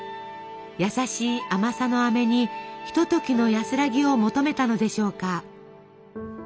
優しい甘さのあめにひとときの安らぎを求めたのでしょうか。